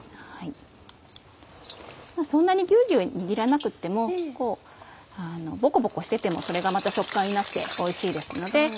そんなにギュウギュウ握らなくってもボコボコしててもそれがまた食感になっておいしいですので。